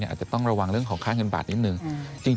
อาจจะต้องระวังเรื่องของค่าเงินบาทนิดนึง